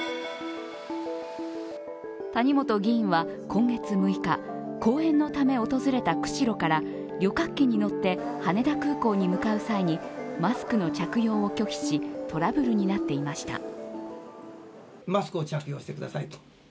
谷本議員は今月６日、講演のため訪れた釧路から旅客機に乗って羽田空港に向かう際にマスクの着用を拒否し、トラブルになっていました。